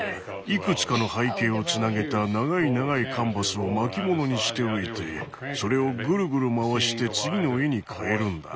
いくつかの背景をつなげた長い長いカンバスを巻物にしておいてそれをぐるぐる回して次の絵に替えるんだ。